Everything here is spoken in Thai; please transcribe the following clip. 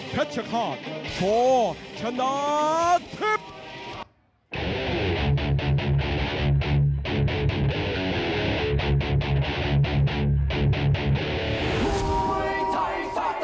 เพชรขาดชอชนะทิพย์